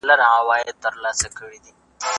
که تاسي په رښتیا سره متحد سئ افغانستان به سوکاله سي.